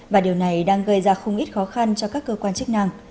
và điều này đang gây ra không ít khó khăn cho các cơ quan chức năng